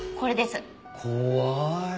怖い。